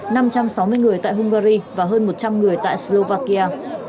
năm trăm sáu mươi người tại hungary và hơn một trăm linh người tại slovakia